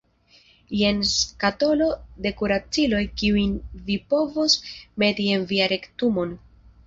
Jen skatolo de kuraciloj kiujn vi povos meti en vian rektumon.